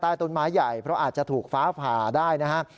ต้นไม้ใหญ่เพราะอาจจะถูกฟ้าผ่าได้นะครับ